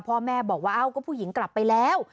พ่อแม่บอกว่าเอ้าก็ผู้หญิงกลับไปแล้ว